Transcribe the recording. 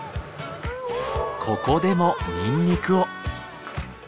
ここでもニンニクを。